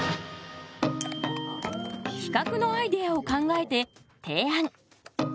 企画のアイデアを考えて提案。